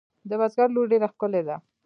د بزگر لور ډېره ښکلې ده.